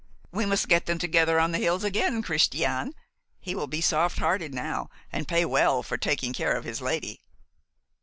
We must get them together on the hills again, Christian. He will be soft hearted now, and pay well for taking care of his lady."